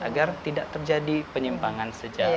agar tidak terjadi penyimpangan sejarah